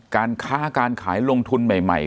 การค้าการขายลงทุนใหม่